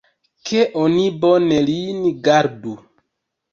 Ke oni bone lin gardu!